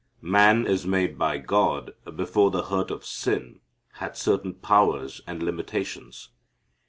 Man as made by God before the hurt of sin came had certain powers and limitations.